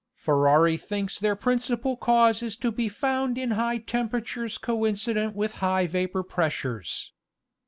. Ferari thinks their principal cause is to be found in high tem peratures coincident with high vapor pressures.